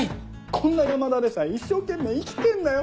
こんな山田でさえ一生懸命生きてんだよ。